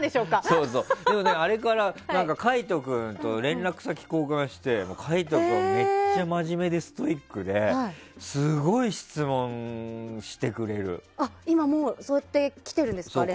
あれから海人君と連絡先を交換して、海斗君めっちゃ真面目でストイックで今もう、そうやって来てるんですか、連絡。